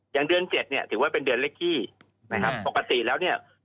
ยังเดือนเจ็ดเนี่ยถือว่าเป็นเดือนเล่กกี้นะครับ